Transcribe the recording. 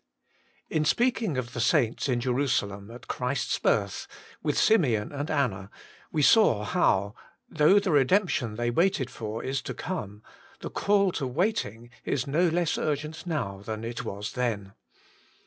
IN speaking of the saints in Jerusalem at Christ's birth, with Simeon and Anna, we saw how, though the redemption they waited for is come, the call to waiting is no less urgent now than it was then.